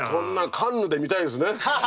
カンヌで見たいですね。